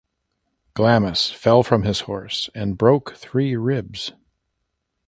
Glamis fell from his horse and broke three ribs.